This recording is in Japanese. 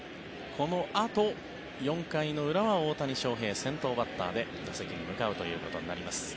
このあと、４回の裏は大谷翔平先頭バッターで打席に向かうということになります。